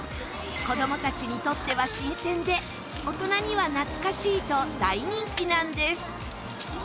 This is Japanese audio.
子どもたちにとっては新鮮で大人には懐かしいと大人気なんです。